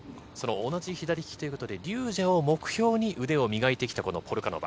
同じ左利きということで、リュージェを腕を磨いてきた、このポルカノバ。